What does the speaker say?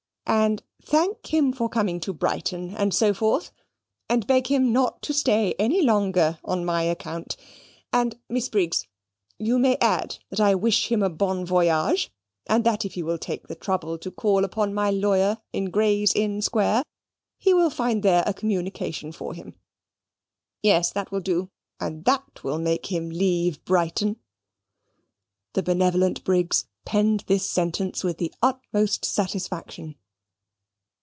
And thank him for coming to Brighton, and so forth, and beg him not to stay any longer on my account. And, Miss Briggs, you may add that I wish him a bon voyage, and that if he will take the trouble to call upon my lawyer's in Gray's Inn Square, he will find there a communication for him. Yes, that will do; and that will make him leave Brighton." The benevolent Briggs penned this sentence with the utmost satisfaction.